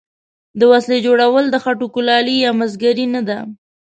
د وسلې جوړول د خټو کولالي یا مسګري نه ده.